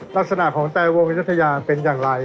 ลักษณะของแต่วงวิทยาเป็นอย่างไร